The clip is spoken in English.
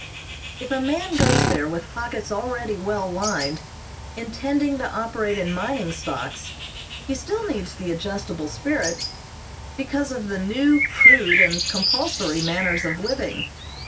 If a man goes there with pockets already well lined, intending to operate in mining stocks, he still needs the adjustable spirit, because of the new, crude, and compulsory manners of living.